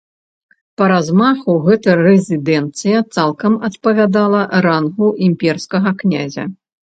Па размаху гэта рэзідэнцыя цалкам адпавядала рангу імперскага князя.